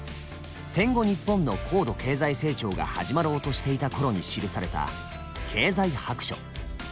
戦後日本の高度経済成長が始まろうとしていた頃に記された「経済白書」。